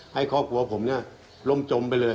ให้ครอบครัวผมเนี่ยล่มจมไปเลย